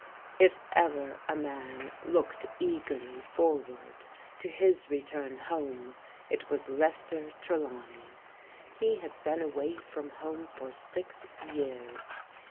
If ever a man looked eagerly forward to his return home it was Lester Trelawney. He had been away from home for six years.